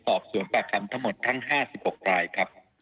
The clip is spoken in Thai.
สอบสวนปากคำทั้งหมดทั้ง๕๖รายครับ